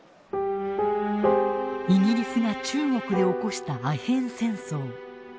イギリスが中国で起こしたアヘン戦争。